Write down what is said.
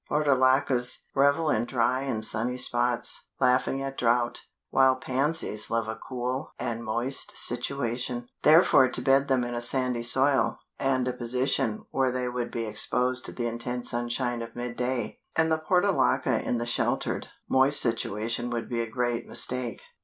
Portulacas revel in dry and sunny spots, laughing at drought, while Pansies love a cool and moist situation, therefore to bed them in a sandy soil, and a position where they would be exposed to the intense sunshine of mid day, and the Portulaca in the sheltered, moist situation would be a great mistake.